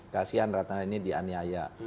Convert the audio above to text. kasian ratna ini dianiaya